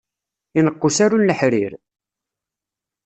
Ineqq usaru n leḥrir?